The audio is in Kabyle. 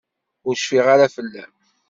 Ur cfiɣ ara fell-am.